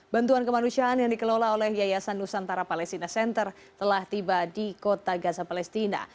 bantuan kemanusiaan yang dikelola oleh yayasan nusantara palestina center telah tiba di kota gaza palestina